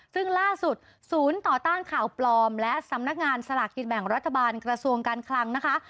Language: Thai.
ซึ่งล่าสุดศูนย์ต่อต้านข่าวปลอมและสำนักงานสลากกินแบ่งรัฐบาลกระทรวงการคลังนะคะ